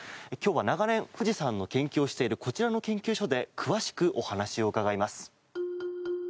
今日は、長年富士山の研究をしているこちらの研究所で詳しくお話を伺います。